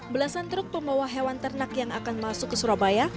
belasan truk pembawa hewan ternak yang akan masuk ke surabaya